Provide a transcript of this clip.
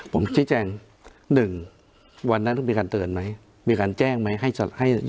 ผมชี้แจง๑วันนั้นต้องมีการเตือนไหมมีการแจ้งไหมให้จัดให้